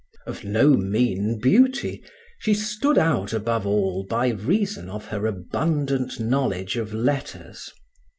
Of no mean beauty, she stood out above all by reason of her abundant knowledge of letters.